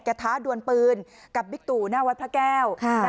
กระทะดวนปืนกับบิตุหน้าวัดพระแก้ว